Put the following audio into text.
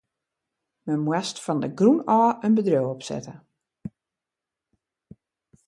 Men moast fan de grûn ôf in bedriuw opsette.